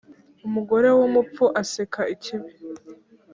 Umugore w’umupfu aseka ikibi.